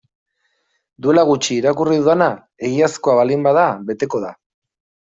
Duela gutxi irakurri dudana egiazkoa baldin bada beteko da.